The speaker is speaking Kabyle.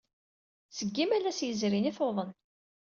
Seg yimalas yezrin ay tuḍen.